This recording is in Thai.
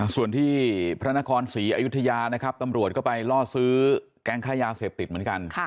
ส่วนที่พระนครศรีอยุธยานะครับตำรวจก็ไปล่อซื้อแก๊งค่ายาเสพติดเหมือนกัน